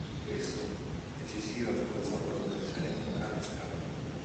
In questo, decisiva fu la sua collaborazione con Carlo Scarpa.